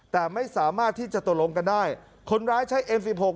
แต่ไม่สามารถที่จะตกลงกันได้คนร้ายใช้เอ็มสิบหก